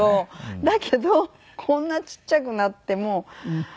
だけどこんなちっちゃくなってもう。